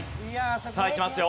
さあいきますよ。